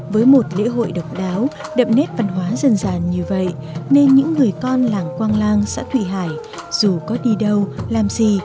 với một lễ hội độc đáo đậm nét văn hóa dân gian như vậy nên những người con làng quang lang xã thụy hải dù có đi đâu làm gì